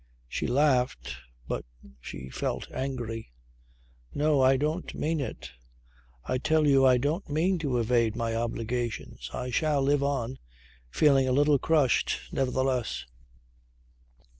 She laughed, but she felt angry. "No, I don't mean it. I tell you I don't mean to evade my obligations. I shall live on ... feeling a little crushed, nevertheless."